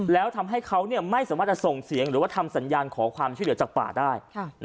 แล้วทำให้เขาไม่สามารถจะส่งเสียงหรือว่าทำสัญญาณขอความช่วยเหลือจากป่าได้